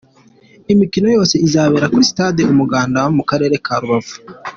Iyi mikino yose izabera kuri Stade Umuganda mu Karere ka Rubavu.